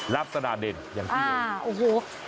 ลักษณะเด่นอย่างที่เย็น